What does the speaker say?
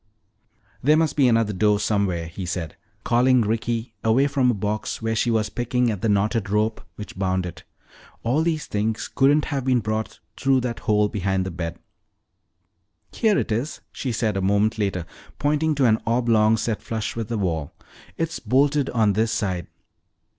"There must be another door somewhere," he said, calling Ricky away from a box where she was picking at the knotted rope which bound it. "All these things couldn't have been brought through that hole behind the bed." "Here it is," she said a moment later, pointing to an oblong set flush with the wall. "It's bolted on this side."